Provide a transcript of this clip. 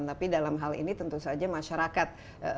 tapi dalam hal ini tentu saja masyarakat